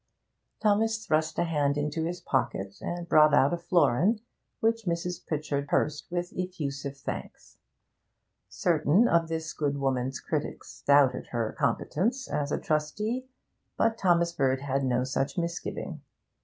Thomas thrust a hand into his pocket and brought out a florin, which Mrs. Pritchard pursed with effusive thanks. Certain of this good woman's critics doubted her competence as a trustee, but Thomas Bird had no such misgiving.